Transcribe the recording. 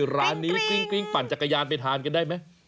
ร้านนี้กริ้งปั่นจักรยานไปทานกันได้ไหม